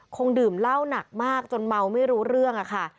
คงดื่มเหล้าหนักมากจนเมาไม่รู้เรื่องค่ะ